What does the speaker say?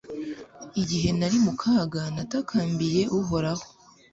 igihe nari mu kaga natakambiye uhoraho